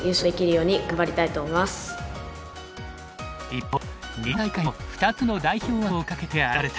一方西日本大会も２つの代表枠をかけて争われた。